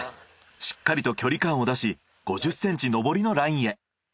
しっかりと距離感を出し５０センチ上りのラインへ。